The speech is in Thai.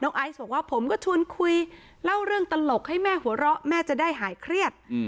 ไอซ์บอกว่าผมก็ชวนคุยเล่าเรื่องตลกให้แม่หัวเราะแม่จะได้หายเครียด